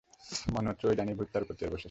মনে হচ্ছে ওই ডাইনির ভূত তার উপর চড়ে বসেছে।